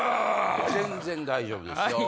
全然大丈夫ですよ。